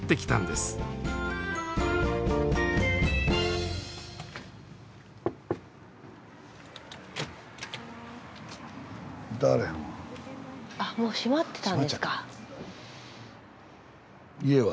スタジオあもう閉まってたんですか。